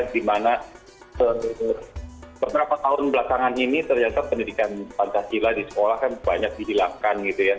dimana beberapa tahun belakangan ini ternyata pendidikan pancasila di sekolah kan banyak dihilangkan gitu ya